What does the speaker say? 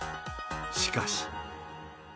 しかし。